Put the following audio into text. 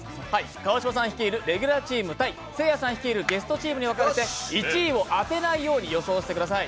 川島さん率いるレギュラーチーム対せいやさん率いるゲストチームに分かれて１位を当てないように予想してください。